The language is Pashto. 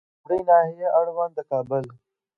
د لومړۍ ناحیې اړوند د کابل